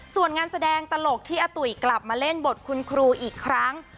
ส่วนงานแสดงตลกที่อาตุ๋ยกลับมาเล่นบทคุณครูอีกครั้ง